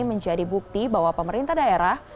menjadi bukti bahwa pemerintah daerah